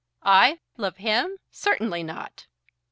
"I love him! certainly not."